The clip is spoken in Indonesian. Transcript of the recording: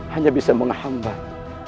hanya bisa menghambat